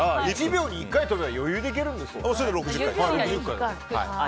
１秒に１回跳べば余裕でいけるんですよ。